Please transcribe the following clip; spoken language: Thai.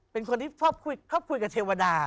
เป็นคนที่ชอบคุยกับเทวดา